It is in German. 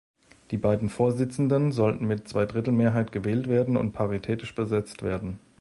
Die beiden Vorsitzenden sollten mit Zweidrittelmehrheit gewählt werden und paritätisch besetzt werden.